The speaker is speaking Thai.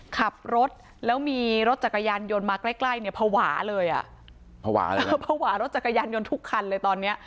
ขับรถแล้วมีรถจักรยานยนต์มาใกล้ใกล้เนี่ยภาวะเลยอ่ะภาวะเลยเออภาวะรถจักรยานยนต์ทุกคันเลยตอนเนี้ย